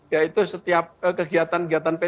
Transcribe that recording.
yaitu setiap kegiatan kegiatan p tiga